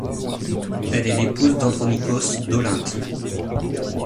Elle est l'épouse d'Andronicos d'Olynthe.